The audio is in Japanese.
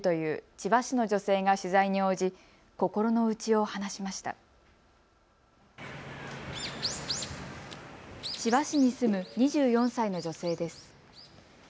千葉市に住む２４歳の女性です。